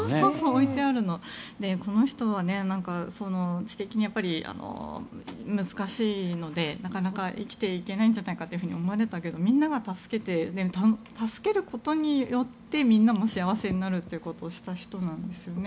この人は知的に難しいのでなかなか生きていけないんじゃないかと思われたけどみんなが助けて助けることによってみんなも幸せになるということをした人なんですよね。